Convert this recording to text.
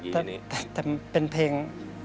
แต่เป็นเพลง